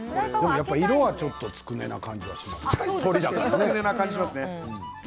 ちょっとつくねな感じがしますね。